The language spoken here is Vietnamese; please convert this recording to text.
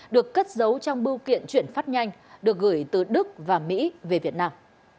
được cất giấu trong bưu kiện chuyển phát nhanh được gửi từ đức và mỹ về việt nam